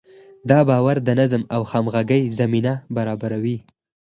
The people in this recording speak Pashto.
دا باور د نظم او همغږۍ زمینه برابروي.